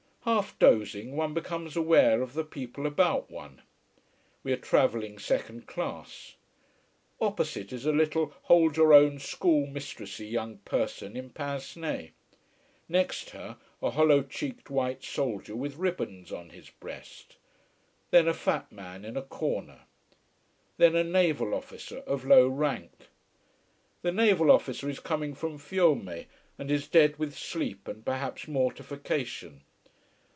Half dozing, one becomes aware of the people about one. We are travelling second class. Opposite is a little, hold your own school mistressy young person in pince nez. Next her a hollow cheeked white soldier with ribbons on his breast. Then a fat man in a corner. Then a naval officer of low rank. The naval officer is coming from Fiume, and is dead with sleep and perhaps mortification.